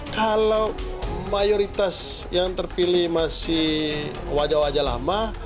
kalau mayoritas yang terpilih masih wajah wajah lama